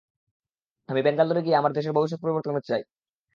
আমি ব্যাঙ্গালোরে গিয়ে আমার দেশের ভবিষ্যত পরিবর্তন করতে চাই।